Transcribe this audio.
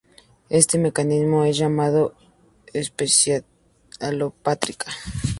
Este mecanismo es llamado especiación alopátrica.